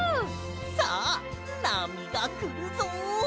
さあなみがくるぞ！